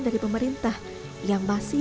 dari pemerintah yang masih